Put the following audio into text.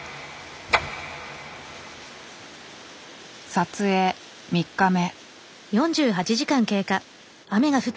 撮影３日目。